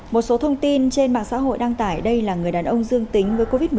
một số thông tin trên mạng xã hội đăng tải đây là người đàn ông dương tính với covid một mươi chín